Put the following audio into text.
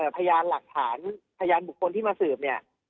พยานหลักฐานพยานบุคคลที่มาสืบเนี่ย